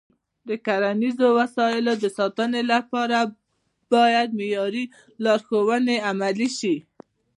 د کرنیزو وسایلو د ساتنې لپاره باید معیاري لارښوونې عملي شي.